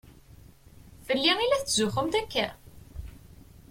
Fell-i i la tetzuxxumt akka?